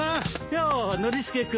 やあノリスケ君。